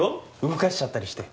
動かしちゃったりして？